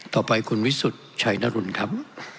ต่อไปคุณวิสุทธิ์ชัยนรุนครับ